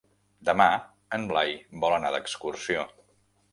Demà en Blai vol anar d'excursió.